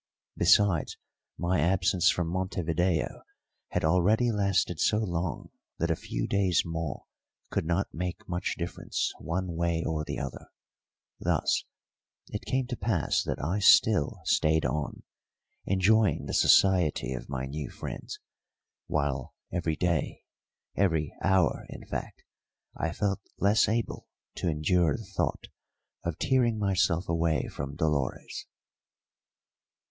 Besides, my absence from Montevideo had already lasted so long that a few days more could not make much difference one way or the other; thus it came to pass that I still stayed on, enjoying the society of my new friends, while every day, every hour in fact, I felt less able to endure the thought of tearing myself away from Dolores.